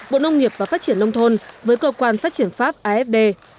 bộ nông nghiệp và phát triển nông thôn với cơ quan phát triển pháp afd